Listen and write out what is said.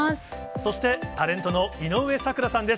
そしてタレントの井上咲楽さんです。